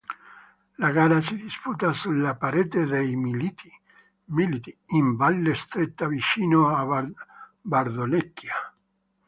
La gara si disputava sulla "Parete dei Militi" in Valle Stretta vicino a Bardonecchia.